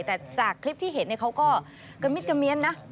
แต่จากคลิปที่เห็นเขาก็กระมิดกระเมียนนะ